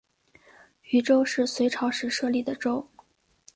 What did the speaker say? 渝州是隋朝时设置的州。